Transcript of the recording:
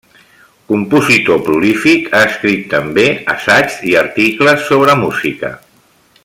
Compositor prolífic, ha escrit també assaigs i articles sobre música.